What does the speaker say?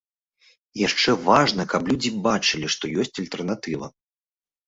І яшчэ важна, каб людзі бачылі, што ёсць альтэрнатыва.